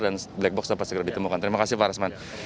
dan black box dapat segera ditemukan terima kasih pak resman